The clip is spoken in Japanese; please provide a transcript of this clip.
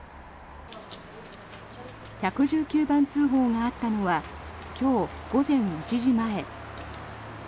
１１９番通報があったのは今日午前１時前。